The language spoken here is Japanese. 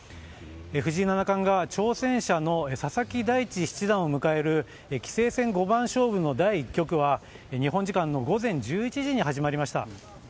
藤井七冠が挑戦者の佐々木大地七段を迎える棋聖戦五番勝負の第１局は日本時間の午前１１時に始まりました。